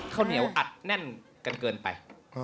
ข้าวเหนียวอัดแน่นกันเกินไป